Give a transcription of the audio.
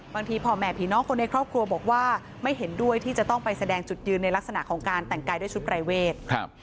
พ่อแม่ผีน้องคนในครอบครัวบอกว่าไม่เห็นด้วยที่จะต้องไปแสดงจุดยืนในลักษณะของการแต่งกายด้วยชุดปรายเวท